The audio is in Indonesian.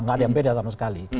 nggak ada yang beda sama sekali